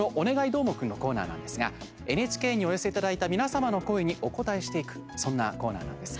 どーもくん」のコーナーなんですがＮＨＫにお寄せいただいた皆様の声にお応えしていくそんなコーナーなんです。